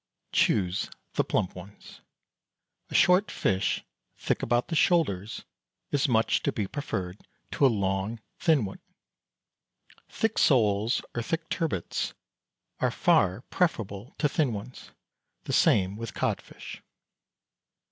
choose the plump ones. A short fish, thick about the shoulders, is much to be preferred to a long thin one. Thick soles, or thick turbots, are far preferable to thin ones. The same with codfish.